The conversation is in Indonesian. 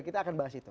kita akan bahas itu